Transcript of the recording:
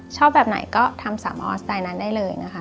ชอบแบบไหนก็ทำ๓ออสไตล์นั้นได้เลยนะคะ